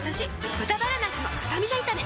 「豚バラなすのスタミナ炒め」